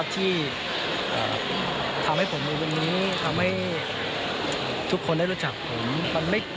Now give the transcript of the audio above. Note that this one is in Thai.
ที่ทำให้ผมมีวันนี้ทำให้ทุกคนได้รู้จักผม